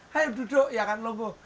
hai duduk iya kan logoh